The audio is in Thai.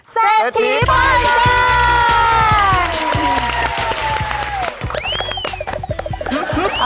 เศรษฐีตายได้